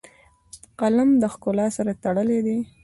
قلم له ښکلا سره تړلی دی